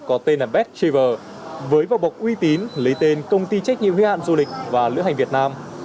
có tên là best traver với vào bọc uy tín lấy tên công ty trách nhiệm huy hạn du lịch và lưỡi hành việt nam